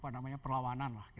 namanya perlawanan lah